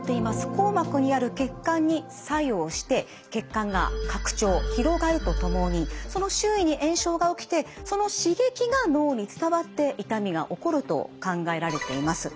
硬膜にある血管に作用して血管が拡張広がるとともにその周囲に炎症が起きてその刺激が脳に伝わって痛みが起こると考えられています。